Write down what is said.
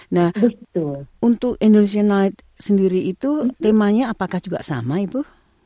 nah untuk indonesia night sendiri itu temanya apakah juga sama ibu